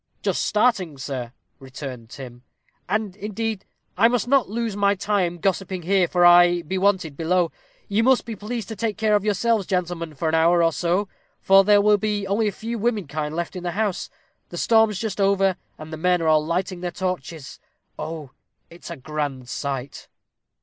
"Just starting, sir," returned Tim; "and, indeed, I must not lose my time gossiping here, for I be wanted below. You must be pleased to take care of yourselves, gentlemen, for an hour or so, for there will be only a few women kind left in the house. The storm's just over, and the men are all lighting their torches. Oh, it's a grand sight!"